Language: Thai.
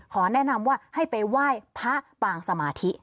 แนะนำว่าให้ไปไหว้พระปางสมาธิ